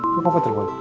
itu papa telfon